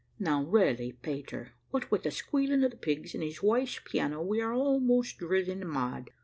Now really, Peter, what with the squealing of the pigs and his wife's piano we are almost driven mad.